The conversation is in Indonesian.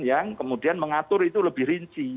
yang kemudian mengatur itu lebih rinci